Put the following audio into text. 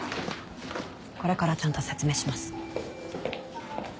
これからちゃんと説明します。